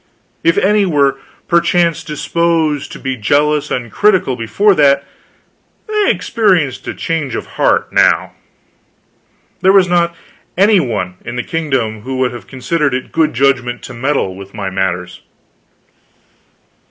If any were perchance disposed to be jealous and critical before that, they experienced a change of heart, now. There was not any one in the kingdom who would have considered it good judgment to meddle with my matters.